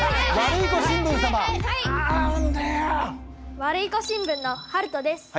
ワルイコ新聞のはるとです。